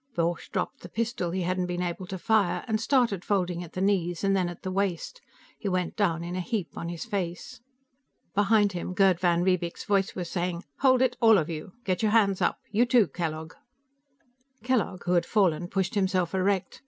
Borch dropped the pistol he hadn't been able to fire, and started folding at the knees and then at the waist. He went down in a heap on his face. Behind him, Gerd van Riebeek's voice was saying, "Hold it, all of you; get your hands up. You, too, Kellogg." Kellogg, who had fallen, pushed himself erect.